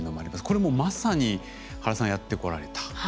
これもうまさに原さんやってこられた。